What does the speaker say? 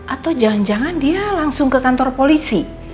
atau jangan jangan dia langsung ke kantor polisi